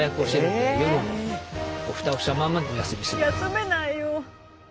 休めないよ。